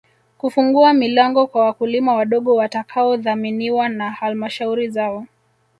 Kufungua milango kwa wakulima wadogo watakaodhaminiwa na Halmashauri zao